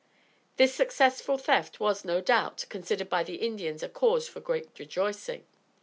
This successful theft was, no doubt, considered by the Indians a cause for great rejoicing.